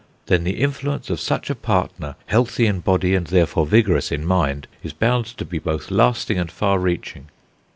Then the influence of such a partner, healthy in body and therefore vigorous in mind, is bound to be both lasting and far reaching.